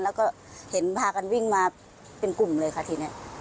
แล้วก็เห็นพากันวิ่งมาเป็นกลุ่มเลยค่ะทีนี้